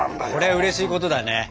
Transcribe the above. これはうれしいことだね。